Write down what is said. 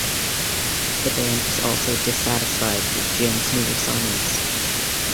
The band was also dissatisfied with Ginn's newer signings.